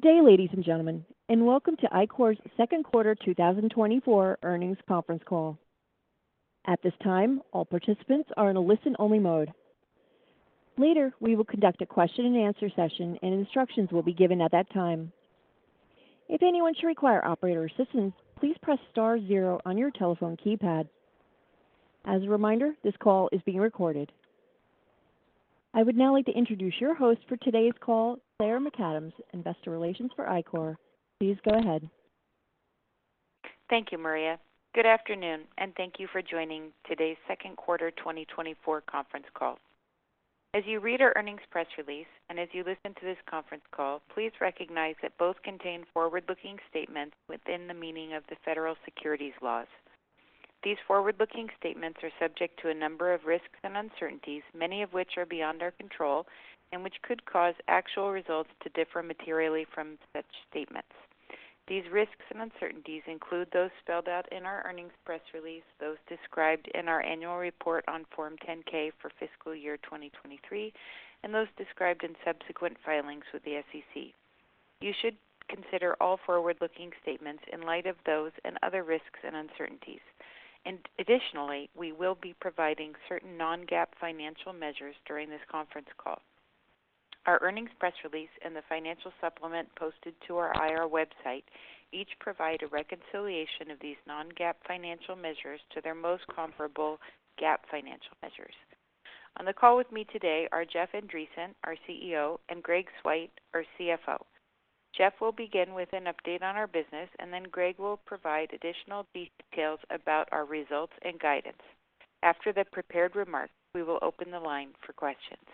Good day, ladies and gentlemen, and welcome to Ichor's second quarter 2024 earnings conference call. At this time, all participants are in a listen-only mode. Later, we will conduct a question-and-answer session, and instructions will be given at that time. If anyone should require operator assistance, please press star zero on your telephone keypad. As a reminder, this call is being recorded. I would now like to introduce your host for today's call, Claire McAdams, Investor Relations for Ichor. Please go ahead. Thank you, Maria. Good afternoon, and thank you for joining today's second quarter 2024 conference call. As you read our earnings press release, and as you listen to this conference call, please recognize that both contain forward-looking statements within the meaning of the federal securities laws. These forward-looking statements are subject to a number of risks and uncertainties, many of which are beyond our control, and which could cause actual results to differ materially from such statements. These risks and uncertainties include those spelled out in our earnings press release, those described in our annual report on Form 10-K for fiscal year 2023, and those described in subsequent filings with the SEC. You should consider all forward-looking statements in light of those and other risks and uncertainties. Additionally, we will be providing certain non-GAAP financial measures during this conference call. Our earnings press release and the financial supplement posted to our IR website each provide a reconciliation of these non-GAAP financial measures to their most comparable GAAP financial measures. On the call with me today are Jeff Andreson, our CEO, and Greg Swyt, our CFO. Jeff will begin with an update on our business, and then Greg will provide additional details about our results and guidance. After the prepared remarks, we will open the line for questions.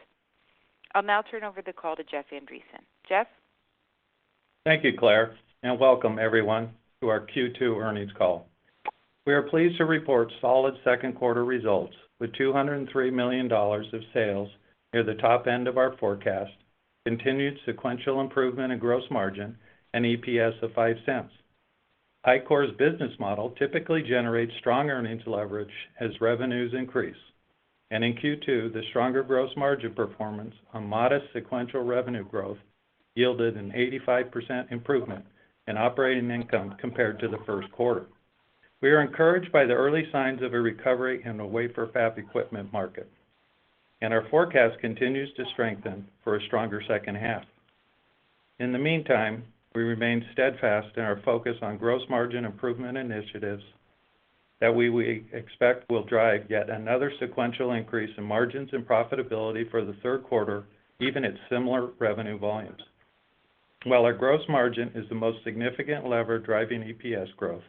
I'll now turn over the call to Jeff Andreson. Jeff? Thank you, Claire, and welcome everyone to our Q2 earnings call. We are pleased to report solid second quarter results, with $203 million of sales near the top end of our forecast, continued sequential improvement in gross margin, and EPS of $0.05. Ichor's business model typically generates strong earnings leverage as revenues increase, and in Q2, the stronger gross margin performance on modest sequential revenue growth yielded an 85% improvement in operating income compared to the first quarter. We are encouraged by the early signs of a recovery in the wafer fab equipment market, and our forecast continues to strengthen for a stronger second half. In the meantime, we remain steadfast in our focus on gross margin improvement initiatives that we expect will drive yet another sequential increase in margins and profitability for the third quarter, even at similar revenue volumes. While our gross margin is the most significant lever driving EPS growth,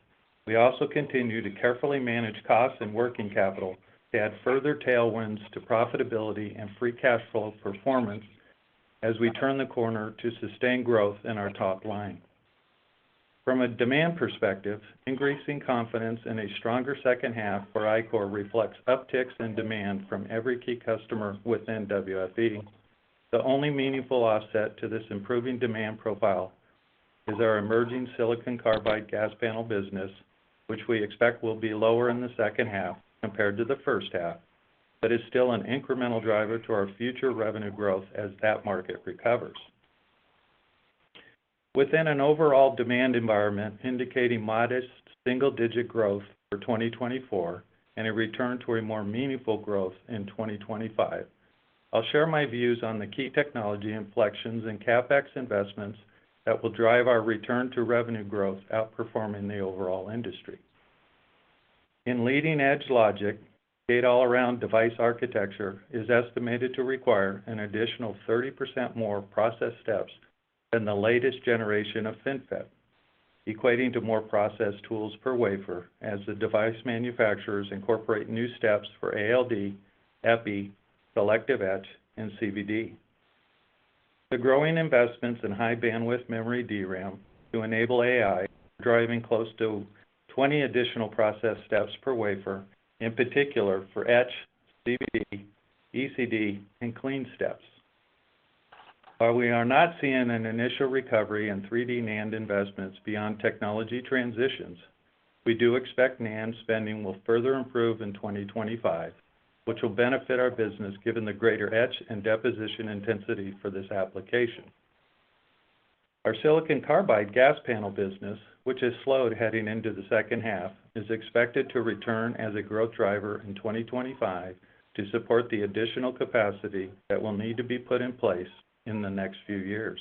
we also continue to carefully manage costs and working capital to add further tailwinds to profitability and free cash flow performance as we turn the corner to sustain growth in our top line. From a demand perspective, increasing confidence in a stronger second half for Ichor reflects upticks in demand from every key customer within WFE. The only meaningful offset to this improving demand profile is our emerging silicon carbide gas panel business, which we expect will be lower in the second half compared to the first half, but is still an incremental driver to our future revenue growth as that market recovers. Within an overall demand environment indicating modest single-digit growth for 2024 and a return to a more meaningful growth in 2025, I'll share my views on the key technology inflections and CapEx investments that will drive our return to revenue growth outperforming the overall industry. In leading-edge logic, Gate-All-Around device architecture is estimated to require an additional 30% more process steps than the latest generation of FinFET, equating to more process tools per wafer as the device manufacturers incorporate new steps for ALD, Epi, selective etch, and CVD. The growing investments in High Bandwidth Memory DRAM to enable AI are driving close to 20 additional process steps per wafer, in particular for etch, CVD, ECD, and clean steps. While we are not seeing an initial recovery in 3D NAND investments beyond technology transitions, we do expect NAND spending will further improve in 2025, which will benefit our business given the greater etch and deposition intensity for this application. Our silicon carbide gas panel business, which has slowed heading into the second half, is expected to return as a growth driver in 2025 to support the additional capacity that will need to be put in place in the next few years.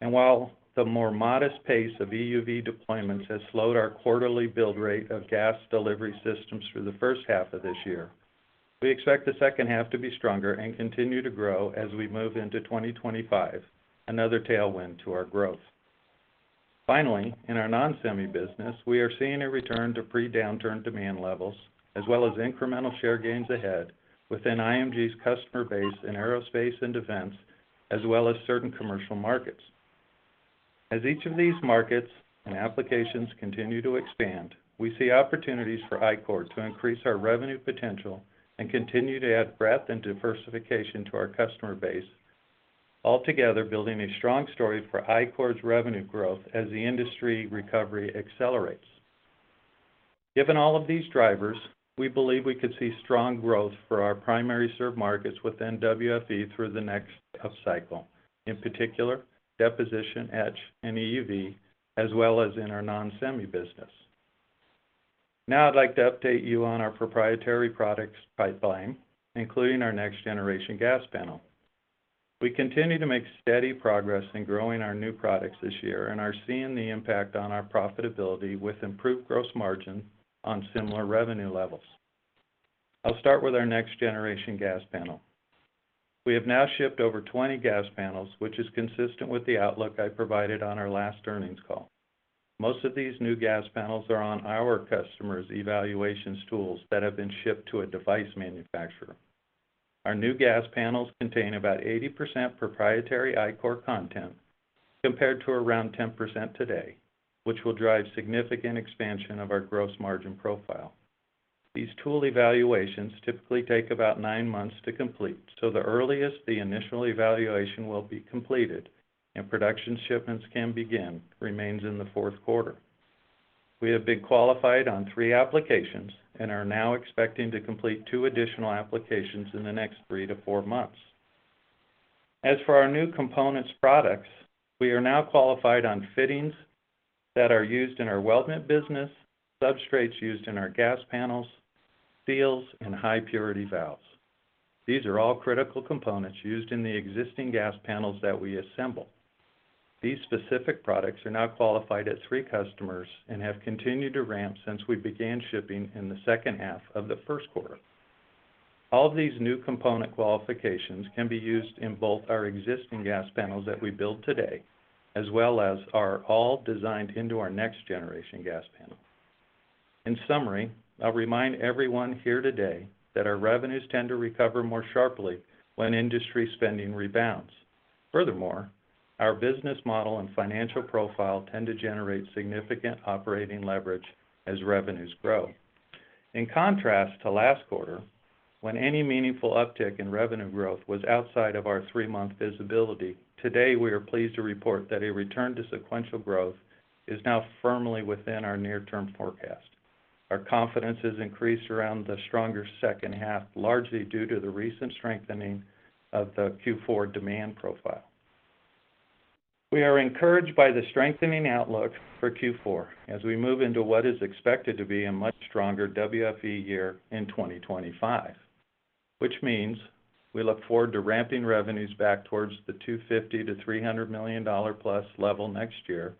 While the more modest pace of EUV deployments has slowed our quarterly build rate of gas delivery systems for the first half of this year, we expect the second half to be stronger and continue to grow as we move into 2025, another tailwind to our growth. Finally, in our non-semi business, we are seeing a return to pre-downturn demand levels, as well as incremental share gains ahead within IMG's customer base in aerospace and defense, as well as certain commercial markets. As each of these markets and applications continue to expand, we see opportunities for Ichor to increase our revenue potential and continue to add breadth and diversification to our customer base, altogether building a strong story for Ichor's revenue growth as the industry recovery accelerates.... Given all of these drivers, we believe we could see strong growth for our primary served markets within WFE through the next up cycle, in particular, deposition, etch, and EUV, as well as in our non-semi business. Now I'd like to update you on our proprietary products pipeline, including our next-generation gas panel. We continue to make steady progress in growing our new products this year and are seeing the impact on our profitability with improved gross margin on similar revenue levels. I'll start with our next-generation gas panel. We have now shipped over 20 gas panels, which is consistent with the outlook I provided on our last earnings call. Most of these new gas panels are on our customers' evaluation tools that have been shipped to a device manufacturer. Our new gas panels contain about 80% proprietary Ichor content, compared to around 10% today, which will drive significant expansion of our gross margin profile. These tool evaluations typically take about nine months to complete, so the earliest the initial evaluation will be completed and production shipments can begin remains in the fourth quarter. We have been qualified on 3 applications and are now expecting to complete 2 additional applications in the next 3-4 months. As for our new component products, we are now qualified on fittings that are used in our weldment business, substrates used in our gas panels, seals, and high-purity valves. These are all critical components used in the existing gas panels that we assemble. These specific products are now qualified at 3 customers and have continued to ramp since we began shipping in the second half of the first quarter. All of these new component qualifications can be used in both our existing gas panels that we build today, as well as are all designed into our next-generation gas panel. In summary, I'll remind everyone here today that our revenues tend to recover more sharply when industry spending rebounds. Furthermore, our business model and financial profile tend to generate significant operating leverage as revenues grow. In contrast to last quarter, when any meaningful uptick in revenue growth was outside of our three-month visibility, today, we are pleased to report that a return to sequential growth is now firmly within our near-term forecast. Our confidence has increased around the stronger second half, largely due to the recent strengthening of the Q4 demand profile. We are encouraged by the strengthening outlook for Q4 as we move into what is expected to be a much stronger WFE year in 2025, which means we look forward to ramping revenues back towards the $250 million-$300 million+ level next year.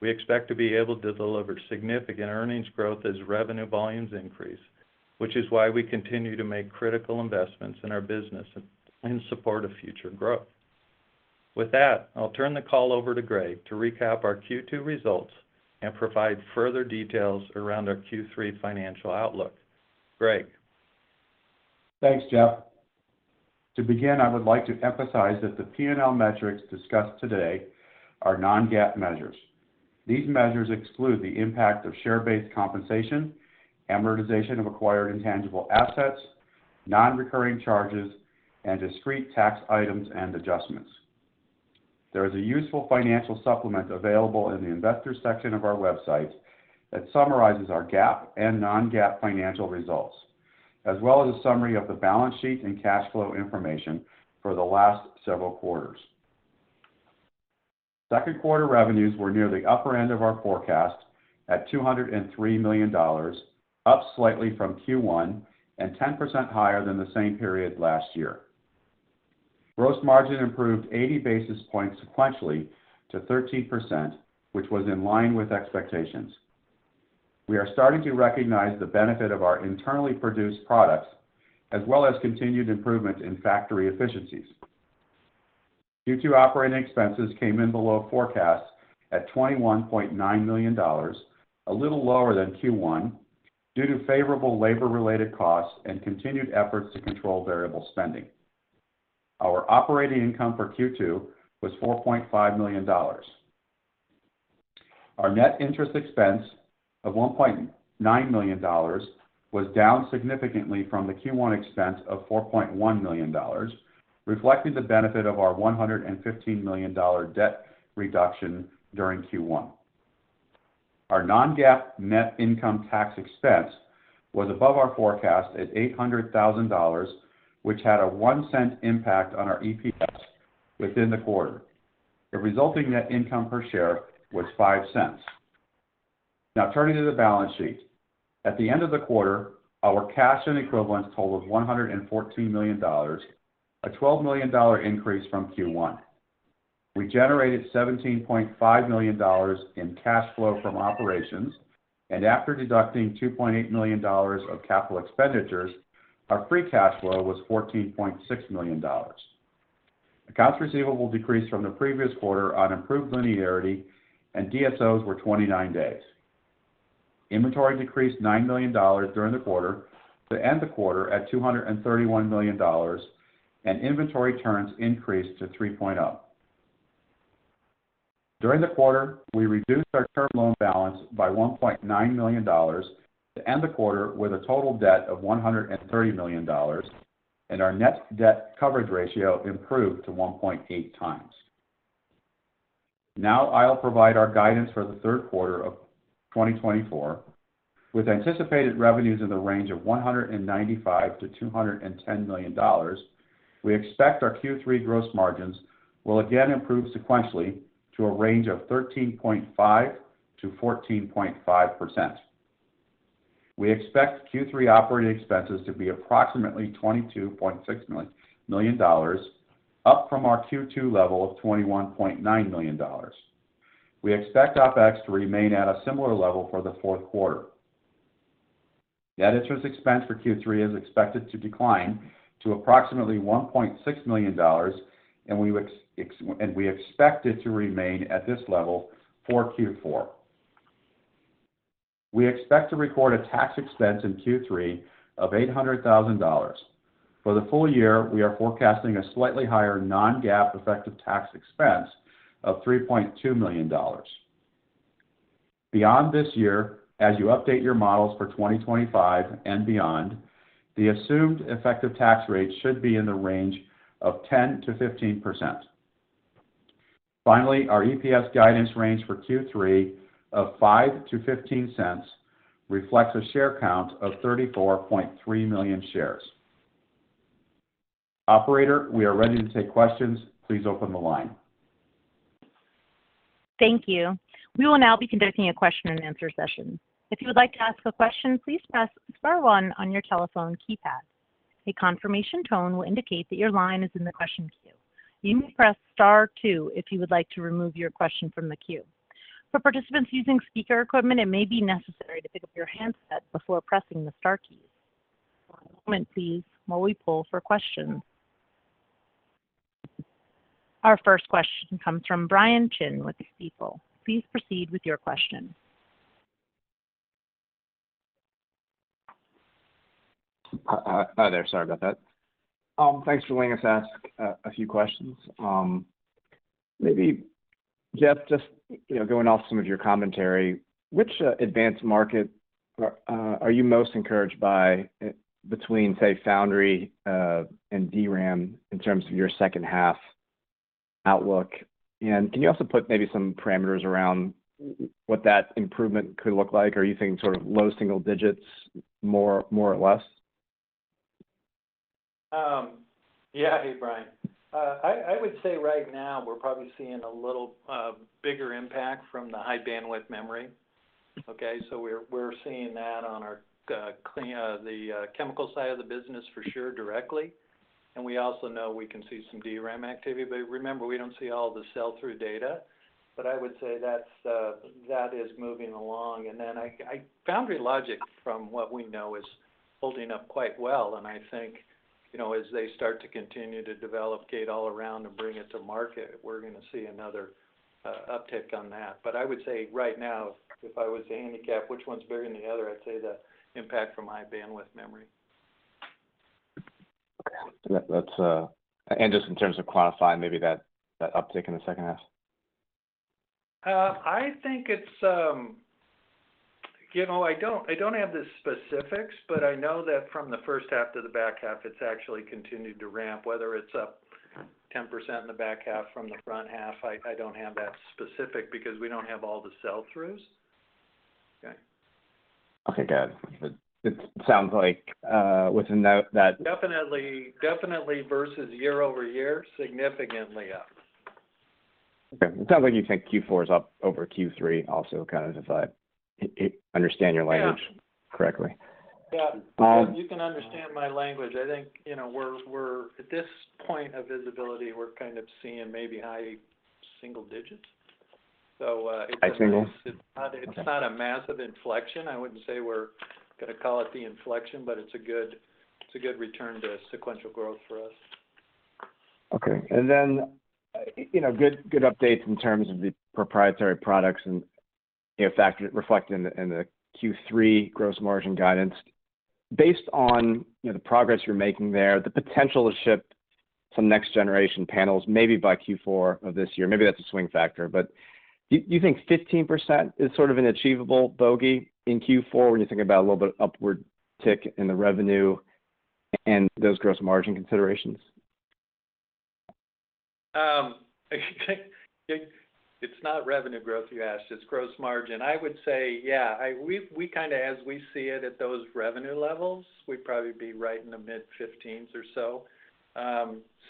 We expect to be able to deliver significant earnings growth as revenue volumes increase, which is why we continue to make critical investments in our business in support of future growth. With that, I'll turn the call over to Greg to recap our Q2 results and provide further details around our Q3 financial outlook. Greg? Thanks, Jeff. To begin, I would like to emphasize that the P&L metrics discussed today are non-GAAP measures. These measures exclude the impact of share-based compensation, amortization of acquired intangible assets, non-recurring charges, and discrete tax items and adjustments. There is a useful financial supplement available in the Investors section of our website that summarizes our GAAP and non-GAAP financial results, as well as a summary of the balance sheet and cash flow information for the last several quarters. Second quarter revenues were near the upper end of our forecast at $203 million, up slightly from Q1 and 10% higher than the same period last year. Gross margin improved 80 basis points sequentially to 13%, which was in line with expectations. We are starting to recognize the benefit of our internally produced products, as well as continued improvement in factory efficiencies. Q2 operating expenses came in below forecast at $21.9 million, a little lower than Q1, due to favorable labor-related costs and continued efforts to control variable spending. Our operating income for Q2 was $4.5 million. Our net interest expense of $1.9 million was down significantly from the Q1 expense of $4.1 million, reflecting the benefit of our $115 million debt reduction during Q1. Our non-GAAP net income tax expense was above our forecast at $800,000 which had a $0.01 impact on our EPS within the quarter. The resulting net income per share was $0.05. Now, turning to the balance sheet. At the end of the quarter, our cash and equivalents totaled $114 million, a $12 million increase from Q1. We generated $17.5 million in cash flow from operations, and after deducting $2.8 million of capital expenditures, our free cash flow was $14.6 million. Accounts receivable decreased from the previous quarter on improved linearity, and DSOs were 29 days. Inventory decreased $9 million during the quarter to end the quarter at $231 million, and inventory turns increased to 3.0. During the quarter, we reduced our term loan balance by $1.9 million to end the quarter with a total debt of $130 million, and our net debt coverage ratio improved to 1.8 times.... Now I'll provide our guidance for the third quarter of 2024, with anticipated revenues in the range of $195 million-$210 million. We expect our Q3 gross margins will again improve sequentially to a range of 13.5%-14.5%. We expect Q3 operating expenses to be approximately $22.6 million, up from our Q2 level of $21.9 million. We expect OpEx to remain at a similar level for the fourth quarter. The interest expense for Q3 is expected to decline to approximately $1.6 million, and we expect it to remain at this level for Q4. We expect to record a tax expense in Q3 of $800,000. For the full year, we are forecasting a slightly higher non-GAAP effective tax expense of $3.2 million. Beyond this year, as you update your models for 2025 and beyond, the assumed effective tax rate should be in the range of 10%-15%. Finally, our EPS guidance range for Q3 of $0.05-$0.15 reflects a share count of 34.3 million shares. Operator, we are ready to take questions. Please open the line. Thank you. We will now be conducting a question-and-answer session. If you would like to ask a question, please press star one on your telephone keypad. A confirmation tone will indicate that your line is in the question queue. You may press star two if you would like to remove your question from the queue. For participants using speaker equipment, it may be necessary to pick up your handset before pressing the star keys. One moment, please, while we pull for questions. Our first question comes from Brian Chin with Stifel. Please proceed with your question. Hi there. Sorry about that. Thanks for letting us ask a few questions. Maybe, Jeff, just, you know, going off some of your commentary, which advanced market are you most encouraged by, between, say, foundry and DRAM in terms of your second half outlook? And can you also put maybe some parameters around what that improvement could look like? Are you thinking sort of low single digits, more or less? Yeah. Hey, Brian. I would say right now, we're probably seeing a little bigger impact from the High Bandwidth Memory, okay? So we're seeing that on our chemical side of the business for sure, directly. And we also know we can see some DRAM activity, but remember, we don't see all the sell-through data. But I would say that's moving along. And then foundry logic, from what we know, is holding up quite well, and I think, you know, as they start to continue to develop Gate-All-Around and bring it to market, we're gonna see another uptick on that. But I would say right now, if I was to handicap which one's bigger than the other, I'd say the impact from the High Bandwidth Memory. Okay. That, that's... And just in terms of quantifying maybe that uptick in the second half? I think it's, you know, I don't have the specifics, but I know that from the first half to the back half, it's actually continued to ramp, whether it's up 10% in the back half from the front half, I don't have that specific, because we don't have all the sell-throughs. Okay? Okay, got it. It sounds like, with a note that- Definitely, definitely versus year-over-year, significantly up. Okay. It sounds like you think Q4 is up over Q3 also, kind of, if I understand your language- Yeah... correctly. Yeah. Um- You can understand my language. I think, you know, we're at this point of visibility, we're kind of seeing maybe high single digits. So, High single? It's not a massive inflection. I wouldn't say we're gonna call it the inflection, but it's a good return to sequential growth for us. Okay. And then, you know, good, good updates in terms of the proprietary products and, you know, factors reflect in the, in the Q3 gross margin guidance. Based on, you know, the progress you're making there, the potential to ship some next-generation panels maybe by Q4 of this year, maybe that's a swing factor, but do you think 15% is sort of an achievable bogey in Q4 when you think about a little bit of upward tick in the revenue and those gross margin considerations? It's not revenue growth you asked, it's gross margin. I would say, yeah, we kind of as we see it at those revenue levels, we'd probably be right in the mid-15s or so.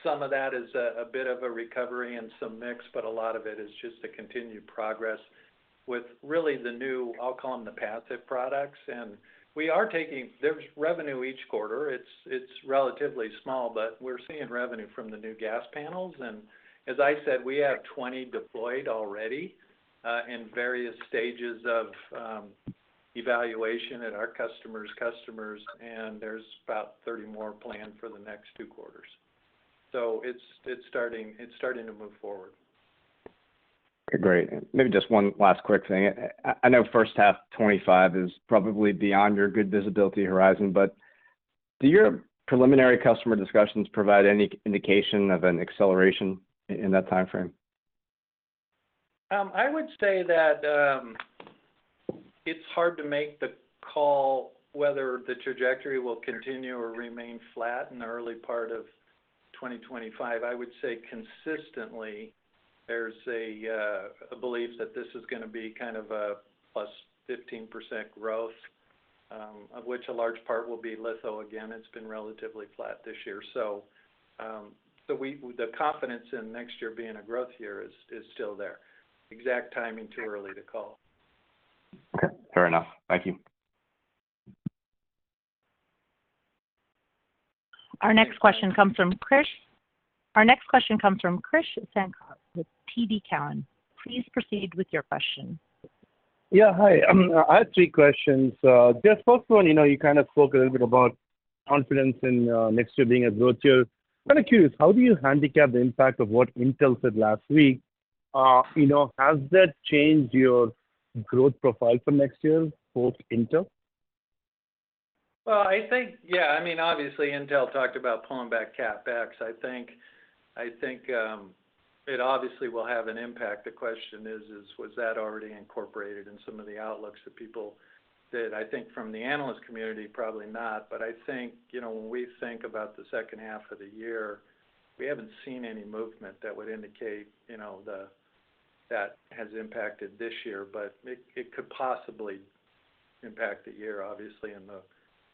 Some of that is a bit of a recovery and some mix, but a lot of it is just the continued progress with really the new, I'll call them the passive products. There's revenue each quarter. It's relatively small, but we're seeing revenue from the new gas panels. And as I said, we have 20 deployed already in various stages of evaluation at our customers' customers, and there's about 30 more planned for the next 2 quarters. So it's starting to move forward. Okay, great. Maybe just one last quick thing. I know first half 25 is probably beyond your good visibility horizon, but do your preliminary customer discussions provide any indication of an acceleration in that timeframe? I would say that it's hard to make the call whether the trajectory will continue or remain flat in the early part of 2025. I would say consistently, there's a belief that this is gonna be kind of a +15% growth, of which a large part will be litho. Again, it's been relatively flat this year. So, the confidence in next year being a growth year is still there. Exact timing, too early to call. Okay, fair enough. Thank you. Our next question comes from Krish. Our next question comes from Krish Sankar with TD Cowen. Please proceed with your question. Yeah, hi. I have three questions. Just first one, you know, you kind of spoke a little bit about confidence in next year being a growth year. I'm kind of curious, how do you handicap the impact of what Intel said last week? You know, has that changed your growth profile for next year, post-Intel? Well, I think, yeah, I mean, obviously, Intel talked about pulling back CapEx. I think, I think, it obviously will have an impact. The question is, was that already incorporated in some of the outlooks that people did? I think from the analyst community, probably not. But I think, you know, when we think about the second half of the year, we haven't seen any movement that would indicate, you know, that has impacted this year, but it could possibly impact the year, obviously, in the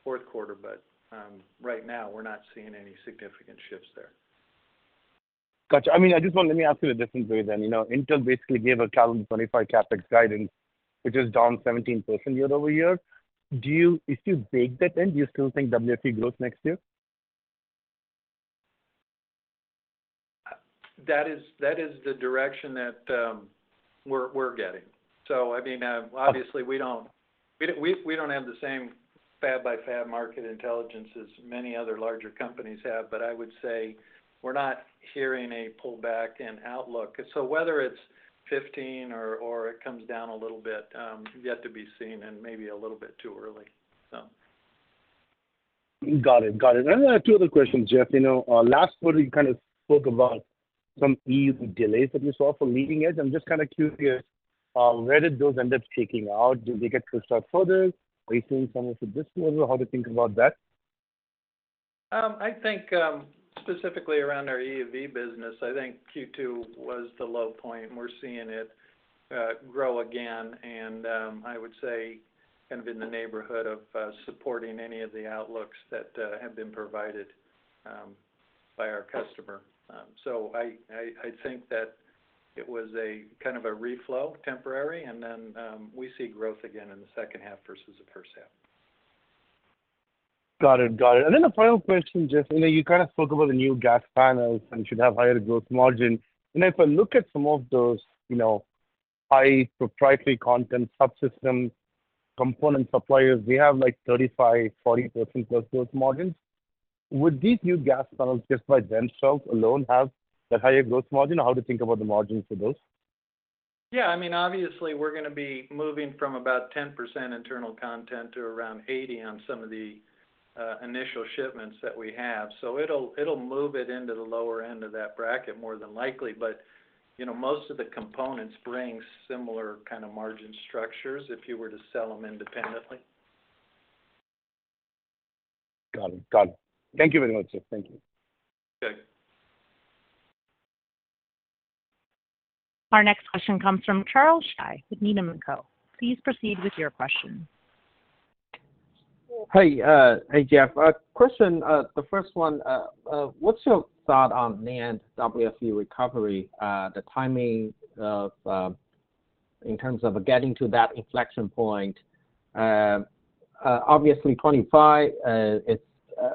fourth quarter. But, right now, we're not seeing any significant shifts there. Got you. I mean, I just want, let me ask you a different way then. You know, Intel basically gave a calendar 2025 CapEx guidance, which is down 17% year-over-year. Do you, if you bake that in, do you still think WFE grows next year? That is the direction that we're getting. So I mean, obviously, we don't have the same fab by fab market intelligence as many other larger companies have, but I would say we're not hearing a pullback in outlook. So whether it's 15 or it comes down a little bit, yet to be seen and maybe a little bit too early, so. Got it. Got it. And then I have two other questions, Jeff. You know, last quarter, you kind of spoke about some EUV delays that you saw for leading edge. I'm just kind of curious, where did those end up shaking out? Do they get pushed out further? Are you seeing some of the dismissal? How do you think about that? I think specifically around our EUV business, I think Q2 was the low point, and we're seeing it grow again. And I would say kind of in the neighborhood of supporting any of the outlooks that have been provided by our customer. So I think that it was a kind of a trough, temporary, and then we see growth again in the second half versus the first half. Got it. Got it. And then the final question, Jeff, you know, you kind of spoke about the new gas panels and should have higher gross margins. And if I look at some of those, you know, high proprietary content subsystem component suppliers, they have, like, 35%-40%+ gross margins. Would these new gas panels, just by themselves alone, have that higher gross margins, or how to think about the margins for those? Yeah, I mean, obviously, we're gonna be moving from about 10% internal content to around 80% on some of the initial shipments that we have. So it'll, it'll move it into the lower end of that bracket, more than likely. But, you know, most of the components bring similar kind of margin structures if you were to sell them independently. Got it. Got it. Thank you very much, Jeff. Thank you. Okay. Our next question comes from Charles Shi with Needham & Company. Please proceed with your question. Hey, hey, Jeff. Question, the first one, what's your thought on NAND WFE recovery, the timing of, in terms of getting to that inflection point? Obviously, 25, it's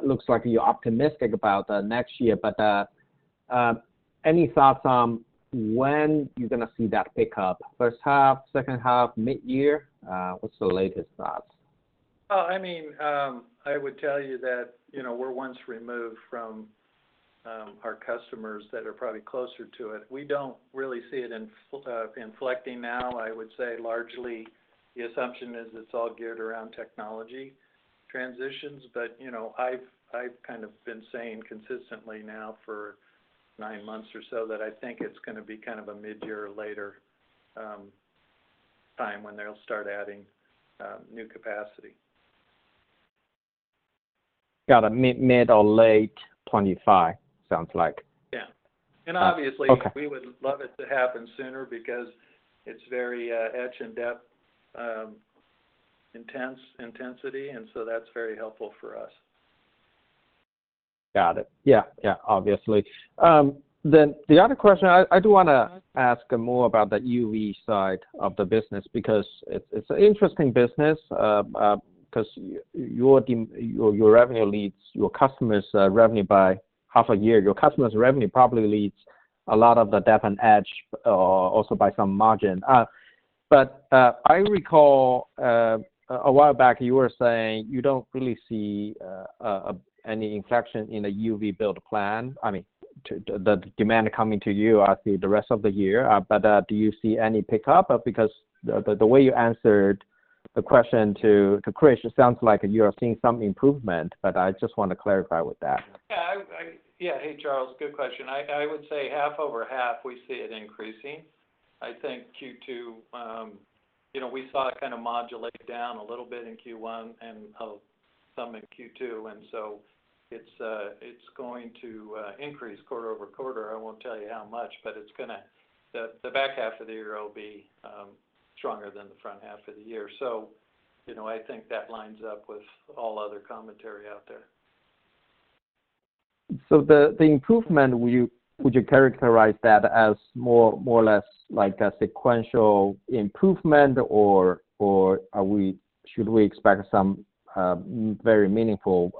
looks like you're optimistic about next year, but, any thoughts on when you're gonna see that pick up? First half, second half, mid-year? What's the latest thoughts? Well, I mean, I would tell you that, you know, we're once removed from our customers that are probably closer to it. We don't really see it inflecting now. I would say largely the assumption is it's all geared around technology transitions. But, you know, I've kind of been saying consistently now for nine months or so that I think it's gonna be kind of a midyear or later time when they'll start adding new capacity. Got it. Mid or late 2025, sounds like. Yeah. Okay. Obviously, we would love it to happen sooner because it's very etch and dep intense intensity, and so that's very helpful for us. Got it. Yeah, yeah, obviously. Then the other question, I do wanna ask more about the EUV side of the business, because it's an interesting business, because your revenue leads your customers' revenue by half a year. Your customers' revenue probably leads a lot of the dep and etch also by some margin. But I recall a while back, you were saying you don't really see any inflection in the EUV build plan. I mean, the demand coming to you as the rest of the year, but do you see any pickup? Because the way you answered the question to Krish, it sounds like you are seeing some improvement, but I just want to clarify with that.... Yeah. Hey, Charles, good question. I would say half over half, we see it increasing. I think Q2, you know, we saw it kind of modulate down a little bit in Q1 and some in Q2, and so it's going to increase quarter over quarter. I won't tell you how much, but it's gonna, the back half of the year will be stronger than the front half of the year. So, you know, I think that lines up with all other commentary out there. So, the improvement, would you characterize that as more or less like a sequential improvement, or should we expect some very meaningful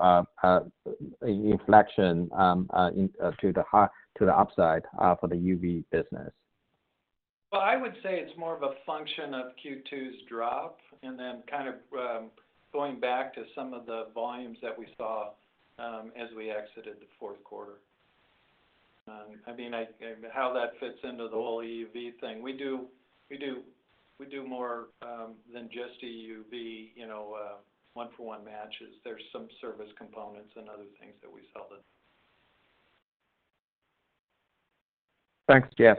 inflection to the high to the upside for the EUV business? Well, I would say it's more of a function of Q2's drop, and then kind of going back to some of the volumes that we saw as we exited the fourth quarter. I mean, how that fits into the whole EUV thing. We do more than just EUV, you know, one-for-one matches. There's some service components and other things that we sell to. Thanks, Jeff.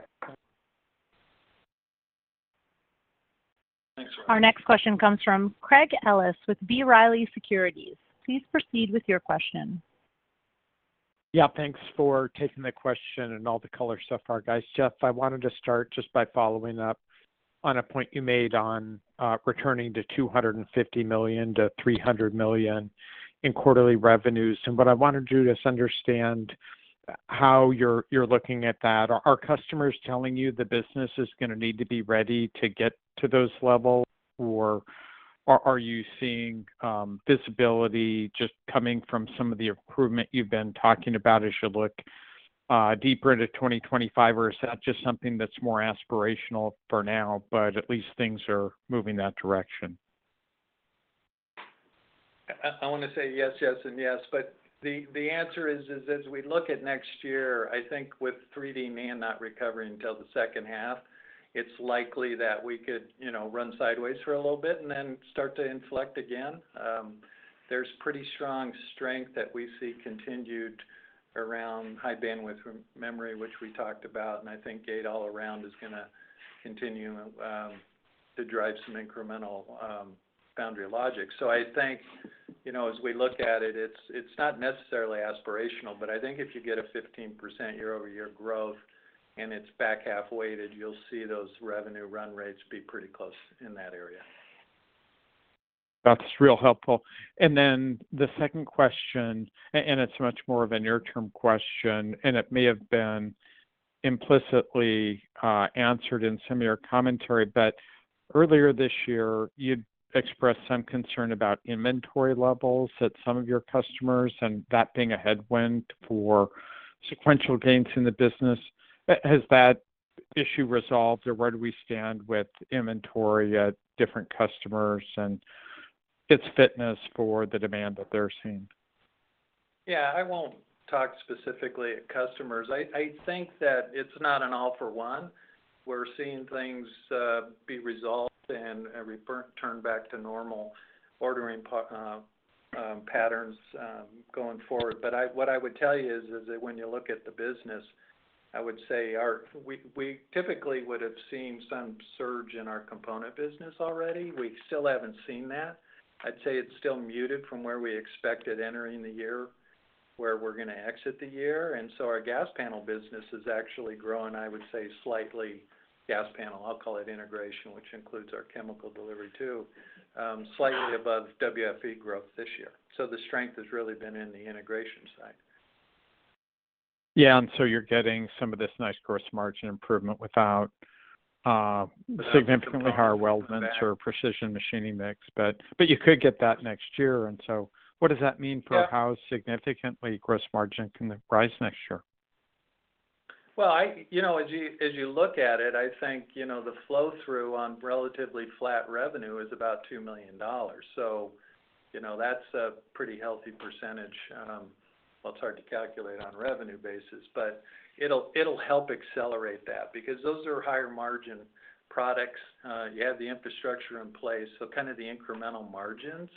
Thanks. Our next question comes from Craig Ellis with B. Riley Securities. Please proceed with your question. Yeah, thanks for taking the question and all the color stuff, our guys. Jeff, I wanted to start just by following up on a point you made on returning to $250 million-$300 million in quarterly revenues. And what I wanted you to understand, how you're, you're looking at that. Are customers telling you the business is gonna need to be ready to get to those levels? Or are, are you seeing visibility just coming from some of the improvement you've been talking about as you look deeper into 2025, or is that just something that's more aspirational for now, but at least things are moving that direction? I wanna say yes, yes, and yes, but the answer is as we look at next year, I think with 3D NAND not recovering until the second half, it's likely that we could, you know, run sideways for a little bit and then start to inflect again. There's pretty strong strength that we see continued around High Bandwidth Memory, which we talked about, and I think Gate-All-Around is gonna continue to drive some incremental foundry logic. So I think, you know, as we look at it, it's not necessarily aspirational, but I think if you get a 15% year-over-year growth and it's back-half weighted, you'll see those revenue run rates be pretty close in that area. That's real helpful. And then the second question, and, and it's much more of a near-term question, and it may have been implicitly answered in some of your commentary, but earlier this year, you'd expressed some concern about inventory levels at some of your customers, and that being a headwind for sequential gains in the business. Has that issue resolved, or where do we stand with inventory at different customers and its fitness for the demand that they're seeing? Yeah, I won't talk specifically at customers. I, I think that it's not an all for one. We're seeing things be resolved and, and return back to normal ordering patterns, going forward. But what I would tell you is, is that when you look at the business, I would say our... We, we typically would have seen some surge in our component business already. We still haven't seen that. I'd say it's still muted from where we expected entering the year, where we're gonna exit the year. And so our gas panel business is actually growing, I would say, slightly. Gas panel, I'll call it integration, which includes our chemical delivery, too, slightly above WFE growth this year. So the strength has really been in the integration side. Yeah, and so you're getting some of this nice gross margin improvement without significantly higher weldments or precision machining mix, but you could get that next year, and so what does that mean for how significantly gross margin can rise next year? Well, you know, as you look at it, I think, you know, the flow-through on relatively flat revenue is about $2 million, so you know, that's a pretty healthy percentage. Well, it's hard to calculate on revenue basis, but it'll help accelerate that, because those are higher margin products. You have the infrastructure in place, so kind of the incremental margins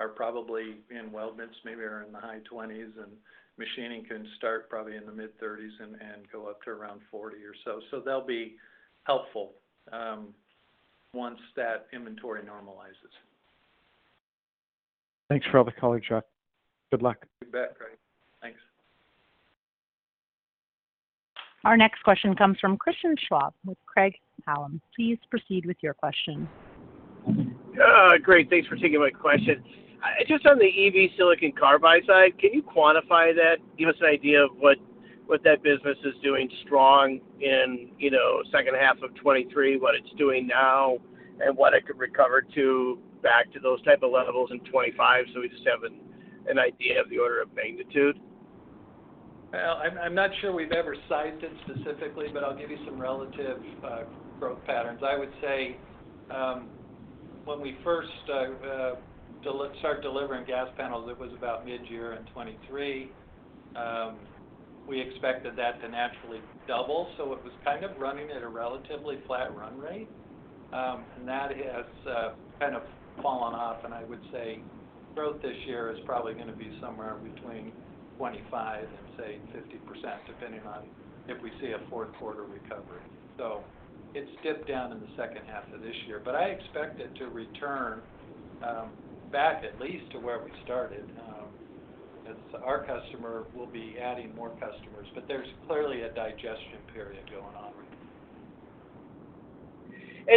are probably in weldments, maybe are in the high 20s, and machining can start probably in the mid-30s and go up to around 40 or so. So they'll be helpful, once that inventory normalizes. Thanks for all the color, Jeff. Good luck. You bet, Craig. Thanks. Our next question comes from Christian Schwab with Craig-Hallum. Please proceed with your question. Great, thanks for taking my question. Just on the EV silicon carbide side, can you quantify that? Give us an idea of what, what that business is doing strong in, you know, second half of 2023, what it's doing now, and what it could recover to back to those type of levels in 2025, so we just have an, an idea of the order of magnitude? Well, I'm not sure we've ever sized it specifically, but I'll give you some relative growth patterns. I would say, when we first start delivering gas panels, it was about mid-year in 2023. We expected that to naturally double, so it was kind of running at a relatively flat run rate. And that has kind of fallen off, and I would say growth this year is probably gonna be somewhere between 25% and, say, 50%, depending on if we see a fourth quarter recovery. So it's dipped down in the second half of this year, but I expect it to return back at least to where we started, as our customer will be adding more customers. But there's clearly a digestion period going on.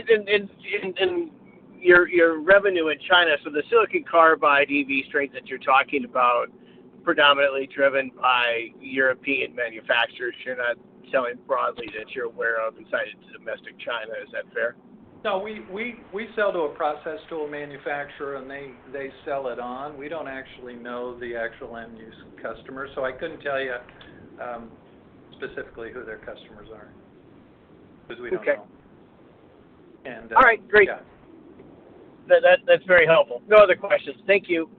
Then your revenue in China, so the silicon carbide EV strength that you're talking about predominantly driven by European manufacturers. You're not selling broadly that you're aware of inside domestic China. Is that fair? No, we sell to a process tool manufacturer, and they sell it on. We don't actually know the actual end-use customer, so I couldn't tell you specifically who their customers are, because we don't know. Okay. And, uh- All right, great. Yeah. That, that's very helpful. No other questions. Thank you.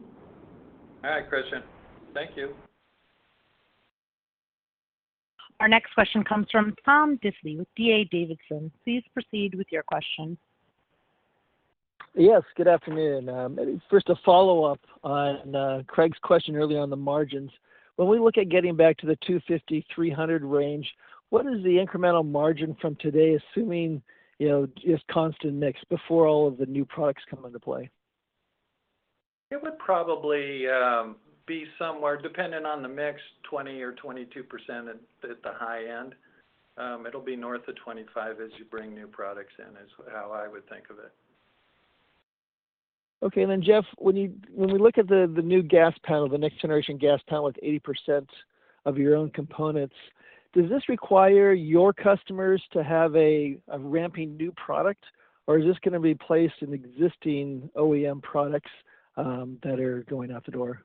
All right, Christian. Thank you. Our next question comes from Tom Diffely with D.A. Davidson. Please proceed with your question. Yes, good afternoon. First, a follow-up on Craig's question earlier on the margins. When we look at getting back to the 250-300 range, what is the incremental margin from today, assuming, you know, just constant mix before all of the new products come into play? It would probably be somewhere, depending on the mix, 20 or 22% at the high end. It'll be north of 25% as you bring new products in, is how I would think of it. Okay, then Jeff, when we look at the new gas panel, the next-generation gas panel with 80% of your own components, does this require your customers to have a ramping new product, or is this gonna be placed in existing OEM products that are going out the door?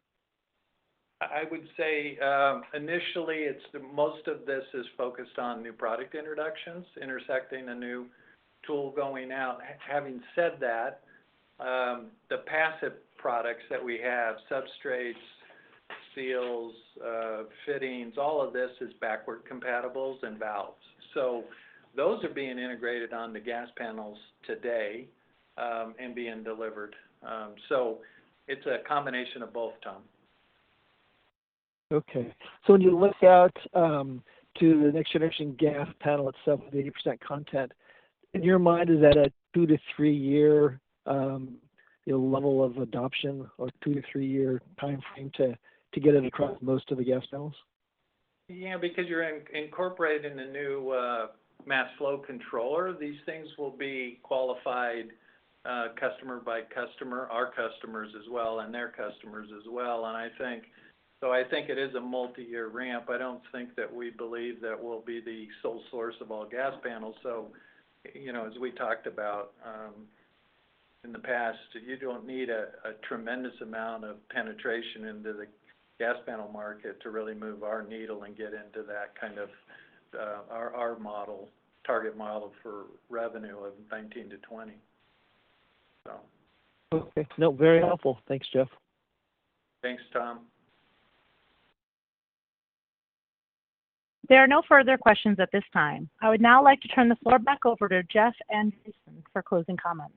I would say, initially, it's the most of this is focused on new product introductions, intersecting a new tool going out. Having said that, the passive products that we have, substrates, seals, fittings, all of this is backward compatibles and valves. So those are being integrated on the gas panels today, and being delivered. So it's a combination of both, Tom. Okay. So when you look out to the Next-generation gas panel itself, with 80% content, in your mind, is that a 2-3 year, you know, level of adoption or 2-3 year timeframe to get it across most of the gas panels? Yeah, because you're incorporating the new mass flow controller, these things will be qualified customer by customer, our customers as well, and their customers as well. And I think—so I think it is a multiyear ramp. I don't think that we believe that we'll be the sole source of all gas panels. So, you know, as we talked about in the past, you don't need a tremendous amount of penetration into the gas panel market to really move our needle and get into that kind of our model, target model for revenue of $19-$20, so. Okay. No, very helpful. Thanks, Jeff. Thanks, Tom. There are no further questions at this time. I would now like to turn the floor back over to Jeff Andreson for closing comments.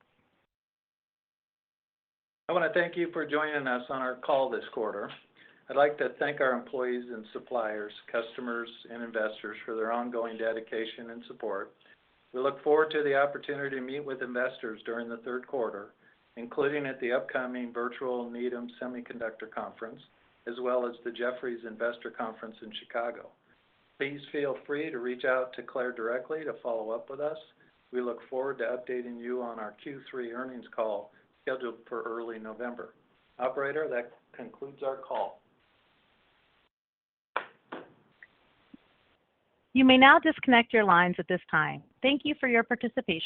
I want to thank you for joining us on our call this quarter. I'd like to thank our employees and suppliers, customers and investors for their ongoing dedication and support. We look forward to the opportunity to meet with investors during the third quarter, including at the upcoming virtual Needham Semiconductor Conference, as well as the Jefferies Investor Conference in Chicago. Please feel free to reach out to Claire directly to follow up with us. We look forward to updating you on our Q3 earnings call, scheduled for early November. Operator, that concludes our call. You may now disconnect your lines at this time. Thank you for your participation.